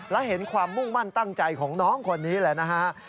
และเห็นความมุ่งมั่นตั้งใจของน้องคนนี้แหละนะฮะ